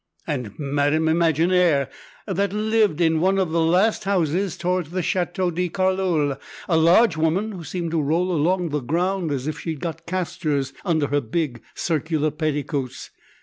And Madame Imaginaire, that lived in one of the last houses towards the Chateau de Carleul, a large woman who seemed to roll along the ground as if she'd got casters under her big circular petticoats.